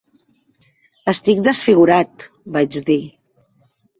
"Estic desfigurat", vaig dir.